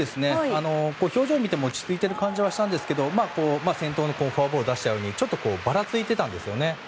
表情を見ても落ち着いた感じがしたんですが先頭にフォアボールを出したようにちょっとばらついていたんですよね。